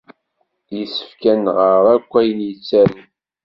Yessefk ad nɣer akk ayen yettaru.